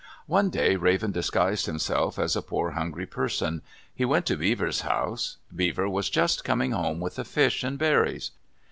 One day Raven disguised himself as a poor, hungry person. He went to Beaver's house. Beaver was just coming home with a fish and berries.